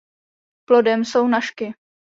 Plodem jsou nažky.